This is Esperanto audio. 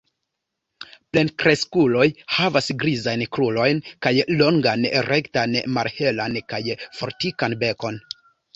Plenkreskuloj havas grizajn krurojn kaj longan, rektan, malhelan kaj fortikan bekon.